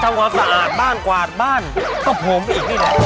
ความสะอาดบ้านกวาดบ้านก็ผมอีกนี่แหละ